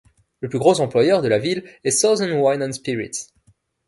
Le plus gros employeur de la ville est Southern Wine & Spirits.